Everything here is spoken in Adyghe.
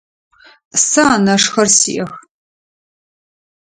Сэ анэшхэр сиӏэх.